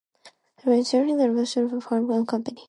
Returning to Lisbon she again formed her own company.